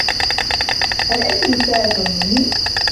هل أنتِ مستاءة منّي؟